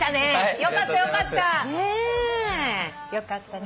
よかったよかった。よかったね。